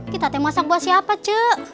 kita masak buat siapa cu